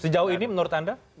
sejauh ini menurut anda